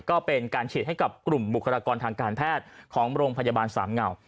ก็เป็นการฉีดให้กับกลุ่มบุคลากรทางการแพทย์ของโรงพยาบาลสามเหงา